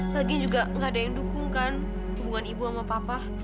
lagian juga gak ada yang dukungkan hubungan ibu sama papa